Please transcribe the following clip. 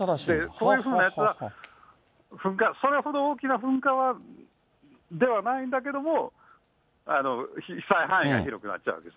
そういうふうに熱は、噴火、それほど大きな噴火ではないんだけれども、被災範囲が広がっちゃうんです。